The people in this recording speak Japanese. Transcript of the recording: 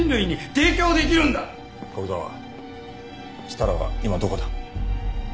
設楽は今どこだ？